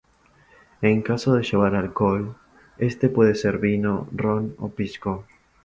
En caso de llevar alcohol, este puede ser vino, ron o pisco.